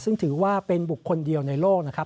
ซึ่งถือว่าเป็นบุคคลเดียวในโลกนะครับ